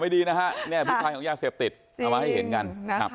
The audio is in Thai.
ไม่ดีนะฮะนี่พิพันธ์ของยากเสพติดเอามาให้เห็นกัน